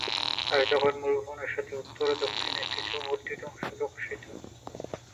আয়তাকার মুল ভবনের সাথে উত্তর ও দক্ষিণে কিছু বর্ধিত অংশ প্রকাশিত।